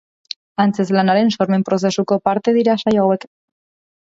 Antzezlanaren sormen prozesuko parte dira saio hauek.